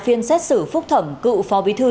phiên xét xử phúc thẩm cựu phó bí thư